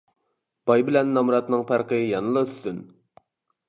باي بىلەن نامراتنىڭ پەرقى يەنىلا ئۈستۈن.